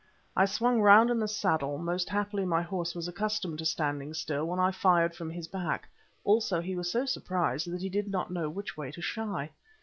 I swung round in the saddle; most happily my horse was accustomed to standing still when I fired from his back, also he was so surprised that he did not know which way to shy.